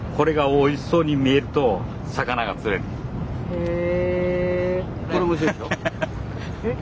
へえ。